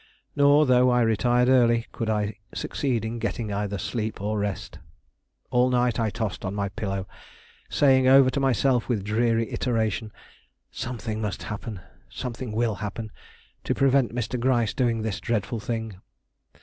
Nor, though I retired early, could I succeed in getting either sleep or rest. All night I tossed on my pillow, saying over to myself with dreary iteration: "Something must happen, something will happen, to prevent Mr. Gryce doing this dreadful thing."